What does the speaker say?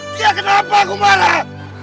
dia kenapa kumarah